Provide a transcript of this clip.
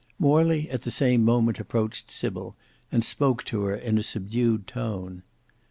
Morley at the same moment approached Sybil, and spoke to her in a subdued tone.